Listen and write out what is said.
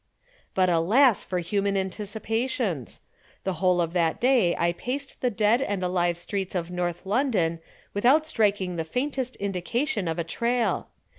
But alas for human anticipations! The whole of that day I paced the dead and alive streets of North London without striking the faintest indication of a trail.